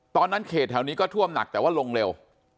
เขตแถวนี้ก็ท่วมหนักแต่ว่าลงเร็ว